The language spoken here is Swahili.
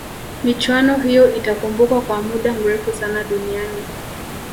michuano hiyo itakumbukwa kwa muda mrefu sana duniani